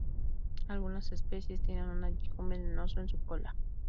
Algunas especies tienen un aguijón venenoso en su cola.